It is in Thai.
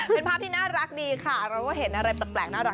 เป็นภาพที่น่ารักดีค่ะเราก็เห็นอะไรแปลกน่ารัก